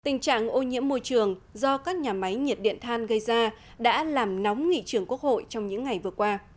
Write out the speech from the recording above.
tình trạng ô nhiễm môi trường do các nhà máy nhiệt điện than gây ra đã làm nóng nghị trường quốc hội trong những ngày vừa qua